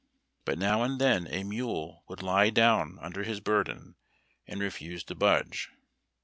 But now and then a mule would lie down under his burden, and refuse to budge.